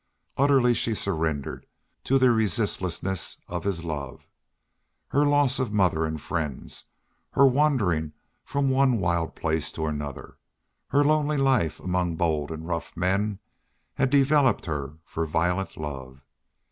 Utterly she surrendered to the resistlessness of this love. Her loss of mother and friends, her wandering from one wild place to another, her lonely life among bold and rough men, had developed her for violent love.